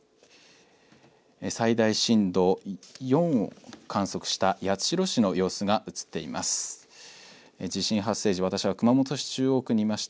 最大震度４を観測した八代市の様子が映っています。